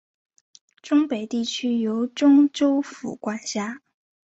忠北地区由忠州府管辖。